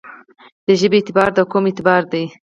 دژبې اعتبار دقوم اعتبار دی.